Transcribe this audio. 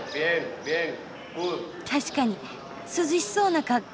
確かに涼しそうな格好。